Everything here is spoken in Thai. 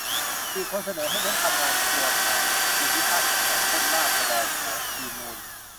อีกคนเสนอให้เน้นทำงานเครือข่ายภูมิภาค-จังหวัด เช่น ราษฎรโขงชีมูล